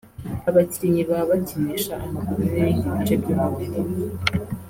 Abakinnyi baba bakinisha amaguru n'ibindi bice by'umubiri